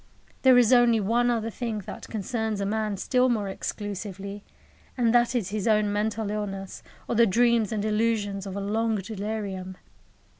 There is only one other thing that concerns a man still more exclusively, and that is his own mental illness, or the dreams and illusions of a long delirium.